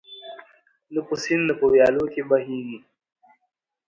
نه په سیند نه په ویالو کي به بهیږي